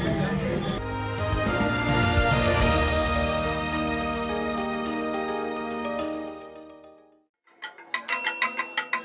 islam semalaman tak tahu traveled